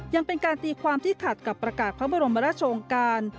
ยังเป็นการตีความที่ขัดกับประกาศพระบรมราชองการ